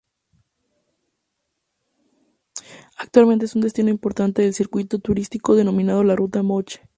Actualmente es un destino importante del circuito turístico denominado la Ruta Moche.